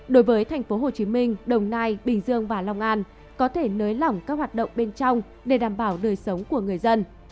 đối với tp hcm đồng nai bình dương và long an có thể nới lỏng các hoạt động bên trong để đảm bảo đời sống của người dân